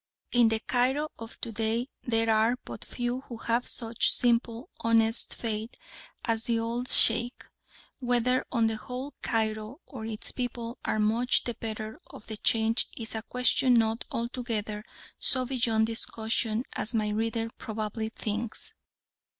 In the Cairo of to day there are but few who have such simple, honest faith as that old Sheikh. Whether on the whole Cairo or its people are much the better of the change is a question not altogether so beyond discussion as my reader probably thinks.